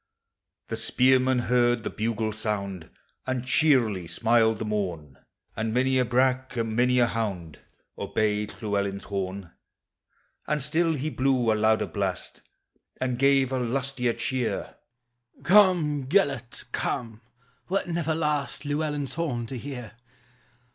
The spearmen heard the bugle sound, And cheerily smiled the morn ; And many a brach, and many a hound, Obeved Llewellvn's horn. ANIMATE NATURE. 361 And still he blew a louder blast, And gave a lustier cheer, " Come, Gelert, come, wert never last Llewellyn's horn to hear.